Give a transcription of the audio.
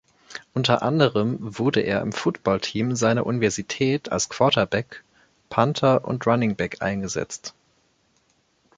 Unter anderem wurde er im Football-Team seiner Universität als Quarterback, Punter und Runningback eingesetzt.